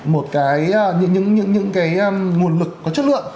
một cái những cái nguồn lực có chất lượng